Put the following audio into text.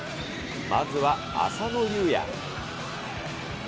まずは浅野雄也。